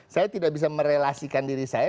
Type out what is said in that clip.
saya tidak bisa merelasikan diri saya